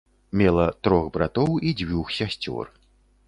Мела трох братоў і дзвюх сясцёр.